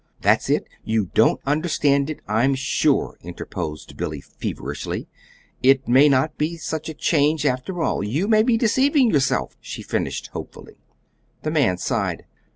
"That's it! You don't understand it, I'm sure," interposed Billy, feverishly. "It may not be such a change, after all. You may be deceiving yourself," she finished hopefully. The man sighed.